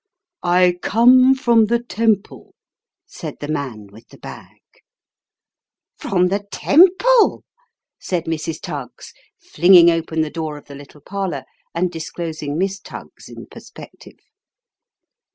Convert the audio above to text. " I come from the Temple," said the man with the bag. " From the Temple !" said Mrs. Tuggs, flinging open the door of the little parlour and disclosing Miss Tuggs in perspective.